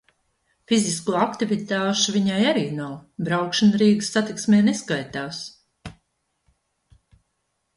Fizisko aktivitāšu viņai arī nav, braukšana Rīgas Satiksmē neskaitās.